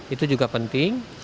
itu juga penting